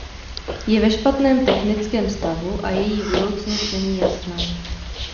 Je ve špatném technickém stavu a její budoucnost není jasná.